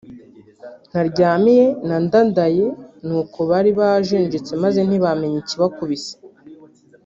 Ntaryamira na Ndadaye nuko bari bajenjetse maze ntibamenya ikibakubise